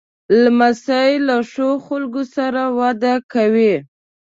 لمسی له ښو خلکو سره وده کوي.